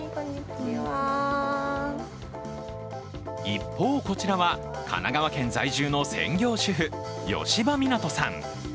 一方こちらは、神奈川県在住の専業主婦、吉場湊さん。